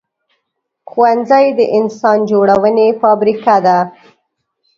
ښوونځی د انسان جوړونې فابریکه ده